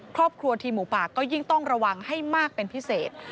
ครอบครัวทีมหมูป่าก็ยิ่งต้องระวังให้มากเป็นพิเศษ